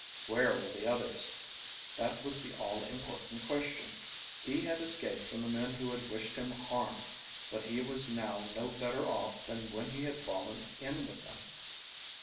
Where were the others? That was the all important question. He had escaped from the men who wished him harm, but he was now no better off than when he had fallen in with them.